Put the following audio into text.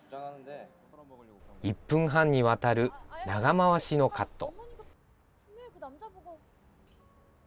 １分半にわたる長回しのカット。